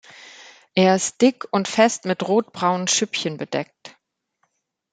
Er ist dick und fest mit rotbraunen Schüppchen bedeckt.